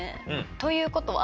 ということは？